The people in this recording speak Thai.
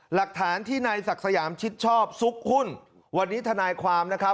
หลักฐานที่นายศักดิ์สยามชิดชอบซุกหุ้นวันนี้ทนายความนะครับ